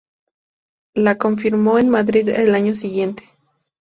La confirmó en Madrid al año siguiente.